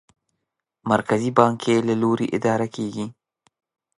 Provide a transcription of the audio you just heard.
مرکزي بانک یې له لوري اداره کېږي.